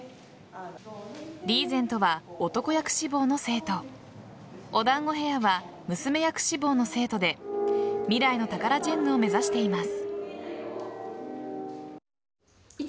リーゼントは男役志望の生徒おだんごヘアは娘役志望の生徒で未来のタカラジェンヌを目指しています。